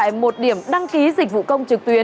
đây là một trong những điểm đăng ký dịch vụ công trực tuyến